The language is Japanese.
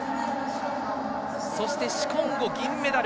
そして、シコンゴ、銀メダル。